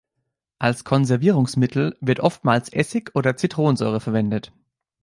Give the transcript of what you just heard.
Als Konservierungsmittel wird oftmals Essig oder Zitronensäure verwendet.